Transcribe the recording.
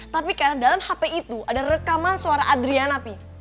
tapi karena dalam hp itu ada rekaman suara adriana pi